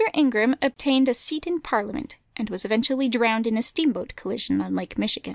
Ingram obtained a seat in Parliament, and was eventually drowned in a steamboat collision on Lake Michigan.